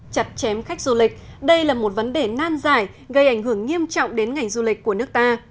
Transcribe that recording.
chặt chém khách du lịch đây là một vấn đề nan giải gây ảnh hưởng nghiêm trọng đến ngành du lịch của nước ta